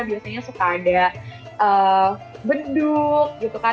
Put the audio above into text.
biasanya suka ada beduk gitu kan